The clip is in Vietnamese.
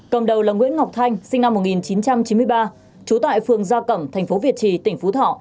cầm đầu là nguyễn ngọc thanh sinh năm một nghìn chín trăm chín mươi ba trú tại phường gia cẩm tp việt trì tp phú thọ